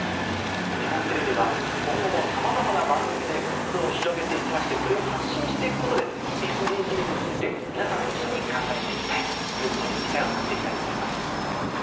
日本テレビでは今後もさまざまな番組で活動を広げて行きましてそれを発信して行くことでＳＤＧｓについて皆さんと一緒に考えて行きたいというそういう機会をつくって行きたいと思います。